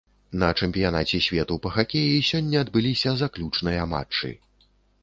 На чэмпіянаце свету па хакеі сёння адбыліся заключныя матчы.